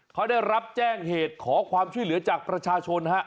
เขาได้รับแจ้งเหตุขอความช่วยเหลือจากประชาชนฮะ